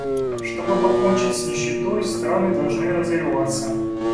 Чтобы покончить с нищетой, страны должны развиваться.